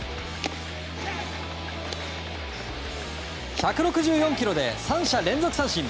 １６４キロで、３者連続三振！